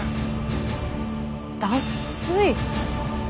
脱水。